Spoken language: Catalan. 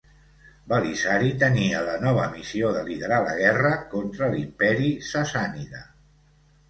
Belisari tenia la nova missió de liderar la guerra contra l'Imperi Sassànida.